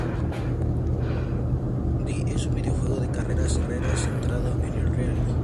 Dirt Rally es un videojuego de carreras centrado en el rally.